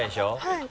はい。